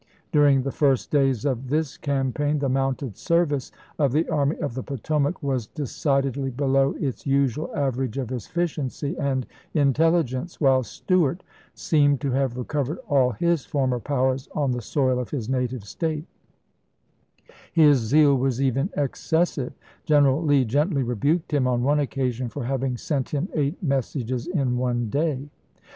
During the first days of this campaign the mounted service of the Army of the Potomac was decidedly below its usual average of efficiency and intelligence, while Stuart seemed to have re covered all his former powers on the soil of his native State ; his zeal was even excessive ; General Lee gently rebuked him on one occasion for having sent him eight messages in one day.